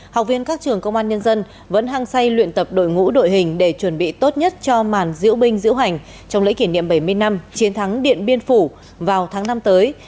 học viên các trường công an nhân dân vẫn hăng say luyện tập đội ngũ đội hình để chuẩn bị tốt nhất cho màn diễu binh diễu hành trong lễ kỷ niệm bảy mươi năm chiến thắng điện biên phủ vào tháng năm tới